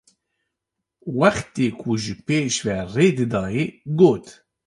Wextê ku ji pêş ve rê didayê got: